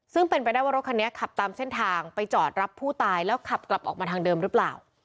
ซึ่งเป็นไปได้ว่ารถคันนี้ขับตามเส้นทางไปจอดรับผู้ตายแล้วขับกลับออกมาทางเดิมหรือเปล่า